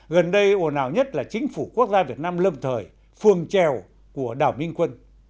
gần đây ồn ào nhất là chính phủ quốc gia việt nam lâm thời phường trèo của đảo minh quân